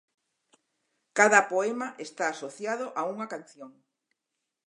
Cada poema está asociado a unha canción.